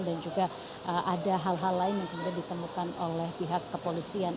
dan juga ada hal hal lain yang kemudian ditemukan oleh pihak kepolisian